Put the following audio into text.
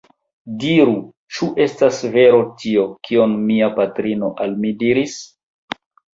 Diru, ĉu estas vero tio, kion mia patrino al mi diris?